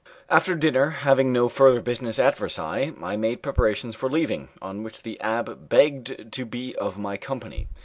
After dinner, having no further business at Versailles, I made preparations for leaving, on which the abbé begged to be of my company.